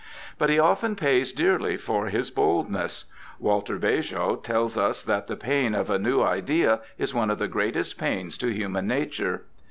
But he often pays dearly for his boldness. Walter Bagehot tells us that the pain of a new idea is one of the greatest pains to human nature.